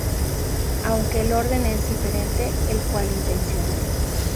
Aunque el orden es diferente, el cual intencional.